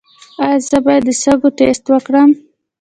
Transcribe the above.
ایا زه باید د سږو ټسټ وکړم؟